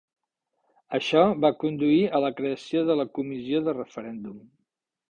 Això va conduir a la creació de la Comissió de Referèndum.